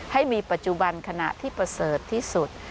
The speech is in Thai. ให้มีปัจจุบันขณะที่ประเสริฐที่สุด